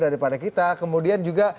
daripada kita kemudian juga